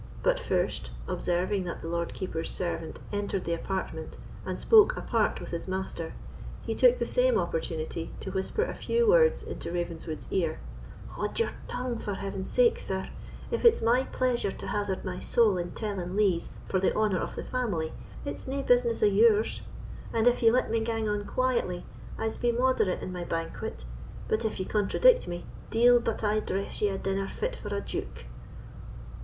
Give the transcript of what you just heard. But first, observing that the Lord Keeper's servant entered the apartment and spoke apart with his master, he took the same opportunity to whisper a few words into Ravenswood's ear: "Haud your tongue, for heaven's sake, sir; if it's my pleasure to hazard my soul in telling lees for the honour of the family, it's nae business o' yours; and if ye let me gang on quietly, I'se be moderate in my banquet; but if ye contradict me, deil but I dress ye a dinner fit for a duke!"